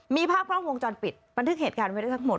มีภาพกล้องวงจรปิดบันทึกเหตุการณ์ไว้ได้ทั้งหมด